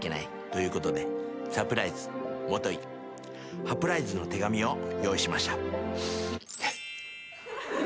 ということでサプライズもといハプライズの手紙を用意しました。